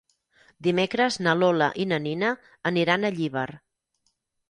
Dimecres na Lola i na Nina aniran a Llíber.